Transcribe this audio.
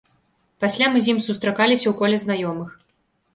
Пасля мы з ім сустракаліся ў коле знаёмых.